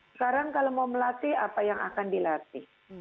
sekarang kalau mau melatih apa yang akan dilatih